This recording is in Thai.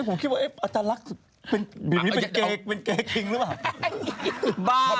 ผมคิดว่าตาลักษณ์เป็นเกกเป็นเกกทิ้งแล้วหรอ